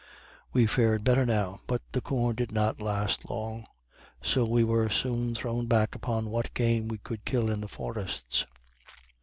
We fared better now, but the corn did not last long; so we were soon thrown back upon what game we could kill in the forests.